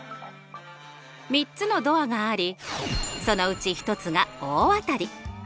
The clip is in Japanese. ３つのドアがありそのうち１つが大当たり。